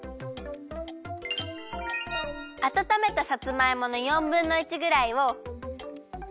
あたためたさつまいもの４ぶんの１ぐらいを。